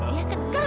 eh dia kena